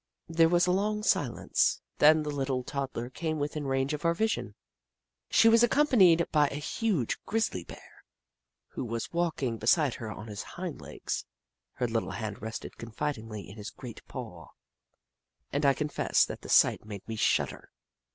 There was a long silence, then the little toddler came within ranofe of our vision. She was accompanied by a huge grizzly Bear, who was walking: beside her on his hind leo^s. Her little hand rested confidingly in his great paw, and I confess that the sight made me shudder.